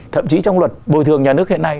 thậm chí trong luật bồi thường nhà nước hiện nay